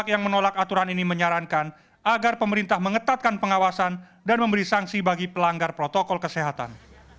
yang menolak aturan ini menyarankan agar pemerintah mengetatkan pengawasan dan memberi sanksi bagi pelanggar protokol kesehatan